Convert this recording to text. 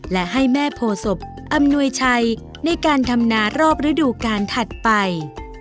และให้แม่โพศพอำนวยชัยในการทำนารอบฤดูกาลถัดไป